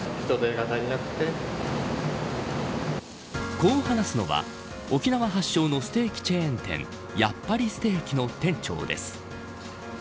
こう話すのは沖縄発祥のステーキチェーン店やっぱりステーキの店長です。